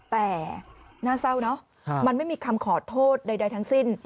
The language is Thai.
แต่น่าเศร้าเนอะมันไม่มีคำขอโทษใดทั้งสิ้น